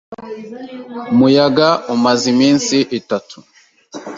Umuyaga umaze iminsi itatu.